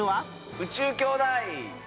『宇宙兄弟』。